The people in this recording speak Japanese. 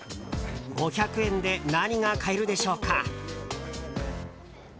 ５００円で何が買えるでしょうか。